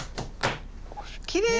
きれい！